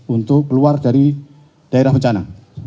untuk keluar dari daerah bencana